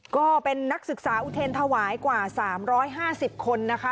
ก็เป็นนักศึกษาอุทีนถวายกว่าสามร้อยห้าสิบคนนะคะ